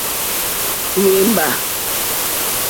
Wěmbà.